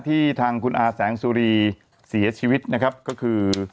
ที่ทางคุณอาแสงสุรีเสียชีวิตนะครับก็คือ